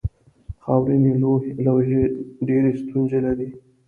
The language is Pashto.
خاورینې لوحې ډېرې ستونزې لري.